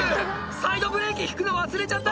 「サイドブレーキ引くの忘れちゃった」